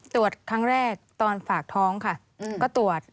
ตรวจครั้งแรกตอนฝากท้องค่ะก็ตรวจ